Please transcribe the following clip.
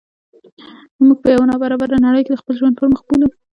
موږ په یوه نا برابره نړۍ کې د خپل ژوند پرمخ بوولو.